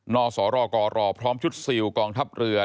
นสรกรพร้อมชุดซิลกองทัพเรือ